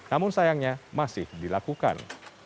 namun sayangnya masih dilakukan